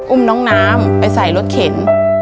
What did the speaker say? อุ้มน้องน้ำไปใส่รถเข็น